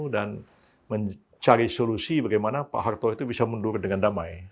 dan mencari solusi bagaimana pak harto itu bisa mundur dengan damai